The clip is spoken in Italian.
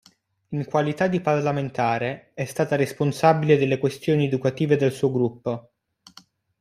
In qualità di parlamentare, è stata responsabile delle questioni educative del suo gruppo.